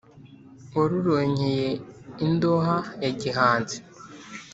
waruronkeye indoha ya gihanzi,